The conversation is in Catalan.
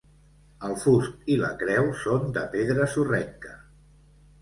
El fust i la creu són de pedra sorrenca.